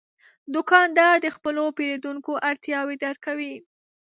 دوکاندار د خپلو پیرودونکو اړتیاوې درک کوي.